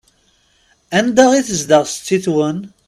Anda i tezdeɣ setti-twen?